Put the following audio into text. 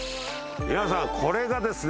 皆さんこれがですね